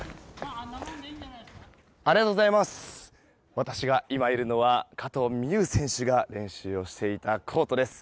私が今いるのは加藤未唯選手が練習していたコートです。